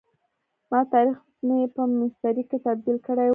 ما تاریخ مې په میسترې کي تبد یل کړی وو.